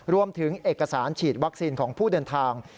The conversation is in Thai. รวมถึงเอกสารฉีดวัคซีนของผู้เดินทาง